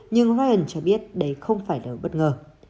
nhưng ryan cho biết đấy không phải lỡ bất ngờ